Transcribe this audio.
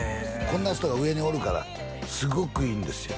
こんな人が上におるからすごくいいんですよ